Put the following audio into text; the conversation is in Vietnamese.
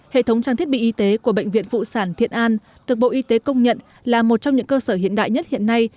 hệ thống trang thiết bị y tế của bệnh viện phụ sản thiện an được bộ y tế công nhận là một trong những cơ sở hiện đại nhất hiện nay